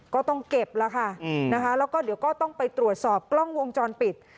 ก็ต้องเก็บแล้วค่ะนะคะแล้วก็เดี๋ยวก็ต้องไปตรวจสอบกล้องวงจรปิด